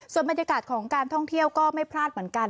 ส่วนบรรยากาศของการท่องเที่ยวก็ไม่พลาดเหมือนกัน